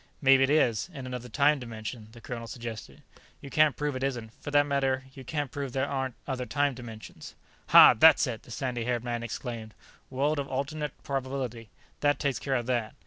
"Maybe it is, in another time dimension," the colonel suggested. "You can't prove it isn't. For that matter, you can't prove there aren't other time dimensions." "Hah, that's it!" the sandy haired man exclaimed. "World of alternate probability. That takes care of that."